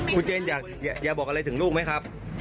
พี่เจนรักพี่เอ็มมากใช่ไหมคะ